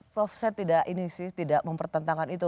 prof saya tidak ini sih tidak mempertentangkan itu